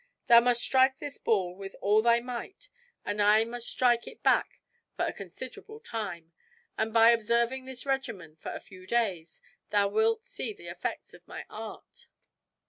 Thou must strike this ball with all thy might and I must strike it back for a considerable time; and by observing this regimen for a few days thou wilt see the effects of my art."